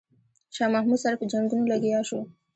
شاه محمود سره په جنګونو لګیا شو.